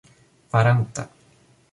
faranta